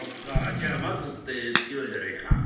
じゃあ松って付けようじゃねえか。